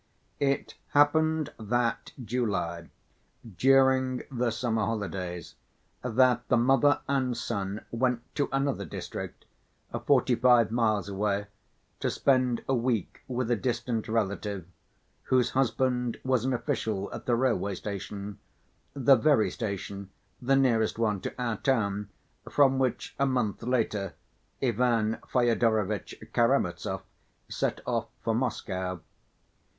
It happened that July, during the summer holidays, that the mother and son went to another district, forty‐five miles away, to spend a week with a distant relation, whose husband was an official at the railway station (the very station, the nearest one to our town, from which a month later Ivan Fyodorovitch Karamazov set off for Moscow).